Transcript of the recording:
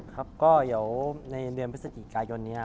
ครับก็เดี๋ยวในเดือนพฤศจิกายนนี้